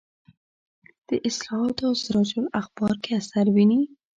د اصلاحاتو او سراج الاخبار کې اثر ویني.